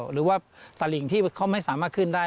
หรือว่าตลิ่งที่เขาไม่สามารถขึ้นได้